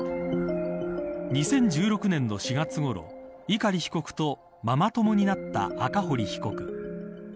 ２０１６年の４月ごろ碇被告とママ友になった赤堀被告。